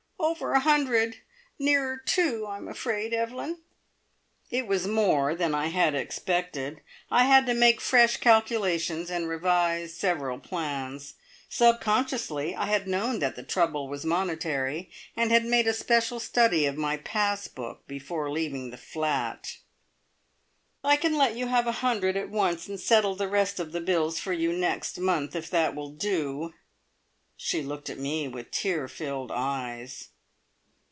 "Over a hundred! Nearer two, I'm afraid, Evelyn!" It was more than I had expected. I had to make fresh calculations, and revise several plans. Subconsciously, I had known that the trouble was monetary, and had made a special study of my pass book before leaving the flat. "I can let you have a hundred at once, and settle the rest of the bills for you next month, if that will do." She looked at me with tear filled eyes.